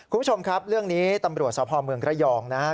คุณผู้ชมครับเรื่องนี้ตำรวจสพเมืองระยองนะครับ